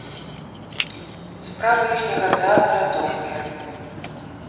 Справы іхняга тэатра добрыя.